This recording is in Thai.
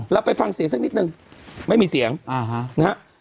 เราไปฟังเสียงสักนิดนึงไม่มีเสียงนะฮะ